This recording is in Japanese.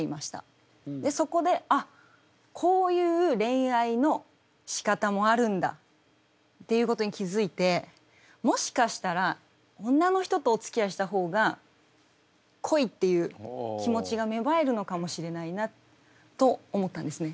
そこで「あっこういう恋愛のしかたもあるんだ」っていうことに気付いてもしかしたら女の人とおつきあいした方が恋っていう気持ちが芽生えるのかもしれないなと思ったんですね。